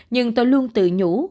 nhưng tôi luôn tự nhủ